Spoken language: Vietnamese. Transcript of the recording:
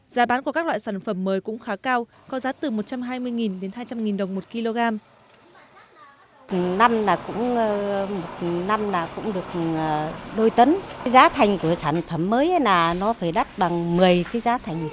giá bán của các loại sản phẩm mới cũng khá cao có giá từ một trăm hai mươi đến hai trăm linh đồng một kg